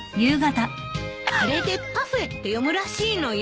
あれで「パフェ」って読むらしいのよ。